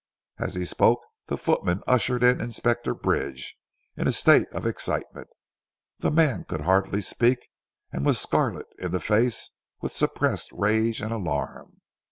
As he spoke, the footman ushered in Inspector Bridge, in a state of excitement. The man could hardly speak, and was scarlet in the face with suppressed rage and alarm.